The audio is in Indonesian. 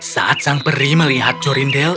saat sang peri melihat jorindel